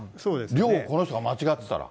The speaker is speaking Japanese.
量をこの人が間違ってたら。